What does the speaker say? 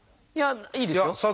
いやいいですよ。